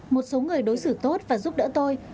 một số người đối xử tốt và giúp đỡ tôi